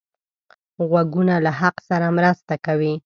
غوږونه له حق سره مرسته کوي